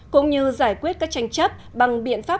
cũng như giải quyết các tranh chấp bằng biện pháp hòa hợp